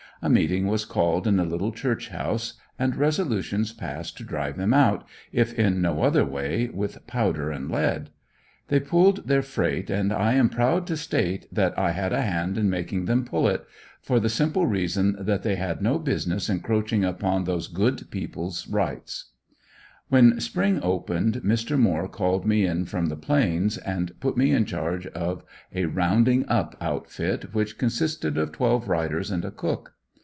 A meeting was called in the little church house and resolutions passed to drive them out, if in no other way, with powder and lead. They pulled their freight and I am proud to state that I had a hand in making them pull it; for the simple reason that they had no business encroaching upon those good people's rights. When spring opened Mr. Moore called me in from the Plains and put me in charge of a rounding up outfit, which consisted of twelve riders and a cook.